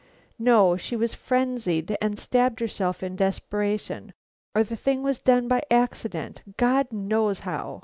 No; she was frenzied and stabbed herself in desperation; or the thing was done by accident, God knows how!